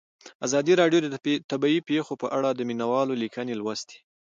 ازادي راډیو د طبیعي پېښې په اړه د مینه والو لیکونه لوستي.